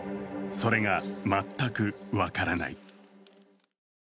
それが全く分からない。